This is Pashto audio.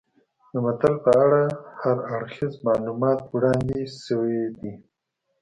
د متل په اړه هر اړخیز معلومات وړاندې شوي دي